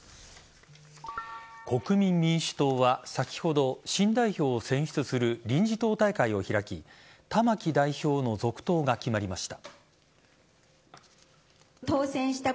国民民主党は先ほど新代表を選出する臨時党大会を開き玉木代表の続投が決まりました。